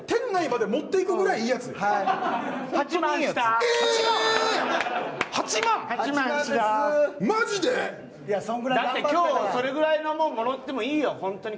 だって今日そのぐらいのものをもらってもいいよ。